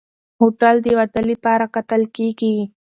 هوټل د واده لپاره کتل کېږي.